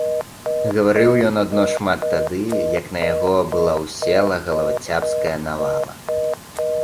Гаварыў ён адно шмат тады, як на яго была ўссела галавацяпская навала.